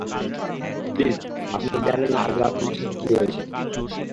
Please, আপনি জানেন না আজ রাত আমার সাথে কী হয়েছে?